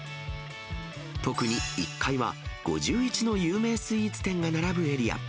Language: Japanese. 特に１階は５１の有名スイーツ店が並ぶエリア。